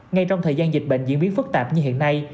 ngay trong thời gian dịch bệnh diễn biến phức tạp như hiện nay